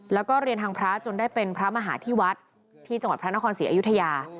แล้วก็เรียนทางพระจนได้เป็นพระมหาที่วัดที่จังหวัดพระนครศรีอยุธยา